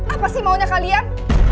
apa sih maunya kalian